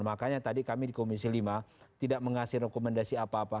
makanya tadi kami di komisi lima tidak mengasih rekomendasi apa apa